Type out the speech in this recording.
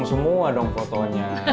sekarang barengan ya